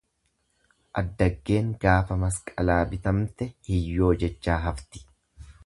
Addaggeen gaafa masqalaa bitamte hiyyoo! jechaa hafti.